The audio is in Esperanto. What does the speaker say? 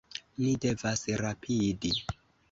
Ni devas rapidi!